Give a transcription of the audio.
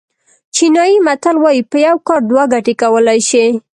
چینایي متل وایي په یو کار دوه ګټې کولای شي.